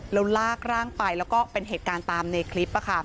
แล้วลากร่างไปแล้วก็เป็นเหตุการณ์ตามในคลิป